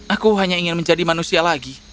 aku hanya ingin menjadi manusia lagi